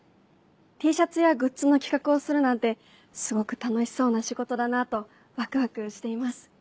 Ｔシャツやグッズの企画をするなんてすごく楽しそうな仕事だなとわくわくしています。